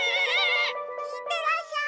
いってらっしゃい！